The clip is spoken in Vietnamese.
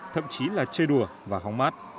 thậm chí là chơi đùa và hóng mát